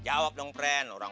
jawab dong friend orang orang